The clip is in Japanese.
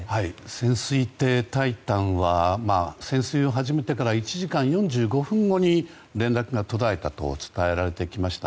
潜水艇「タイタン」は潜水を始めてから１時間４５分後に連絡が途絶えたと伝えられてきました。